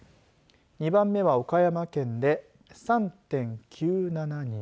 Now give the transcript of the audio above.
２番目は岡山県で３．９７人。